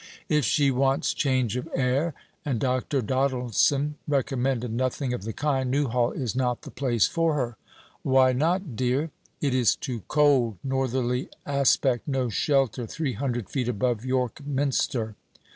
"If she wants change of air and Dr. Doddleson recommended nothing of the kind Newhall is not the place for her." "Why not, dear?" "It is too cold. Northerly aspect no shelter three hundred feet above York minster."